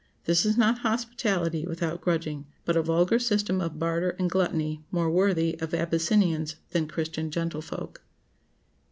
This is not hospitality without grudging, but a vulgar system of barter and gluttony more worthy of Abyssinians than Christian gentlefolk.